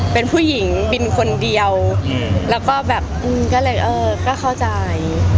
เป็นผู้หญิงบินคนเดียวแล้วก็แบบก็เลยเออก็เข้าใจ